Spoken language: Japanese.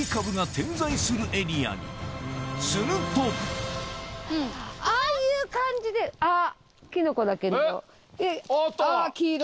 するとああいう感じであっ。